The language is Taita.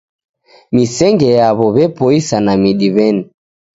Misenge yaw'o w'epoisa na midi w'eni.